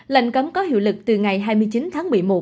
lệnh cấm có hiệu lực từ ngày hai mươi chín tháng một mươi một